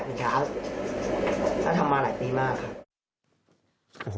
คุณช้าต้องทำมาหลายปีมากครับ